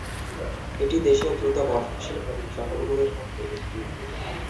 এটি দেশে দ্রুত বর্ধনশীল প্রধান শহরগুলির মধ্য একটি।